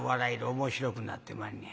面白くなってまんねん。